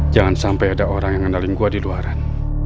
jangan sampai ada orang yang ngendali gue di luar ren